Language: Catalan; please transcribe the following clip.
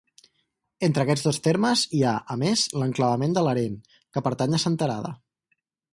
Entre aquests dos termes hi ha, a més, l'enclavament de Larén, que pertany a Senterada.